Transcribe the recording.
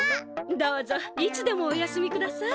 どうぞいつでもお休みください。